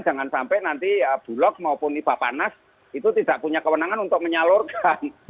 jangan sampai nanti bulog maupun nipanas itu tidak punya kewenangan untuk menyalurkan